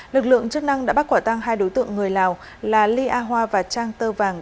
lực lượng chức năng đã bắt quả tăng hai đối tượng người lào là ly a hoa và trang tơ vàng